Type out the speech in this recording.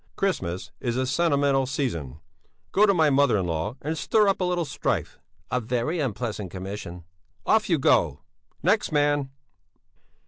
Christmas is a sentimental season. Go to my mother in law and stir up a little strife!" "A very unpleasant commission!" "Off you go! Next man...."